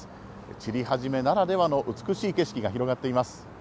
散り始めならではの美しい景色が広がっています。